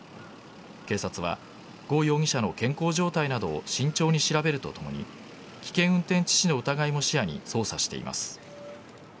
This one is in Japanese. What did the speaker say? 警察はゴ容疑者の健康状態などを慎重に調べるとともに危険運転致死の疑いも視野に捜査しています。